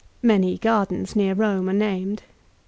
Many gardens near Rome are named.